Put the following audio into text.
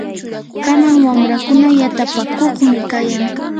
kanan wamrakuna yatapakuqmi kayan.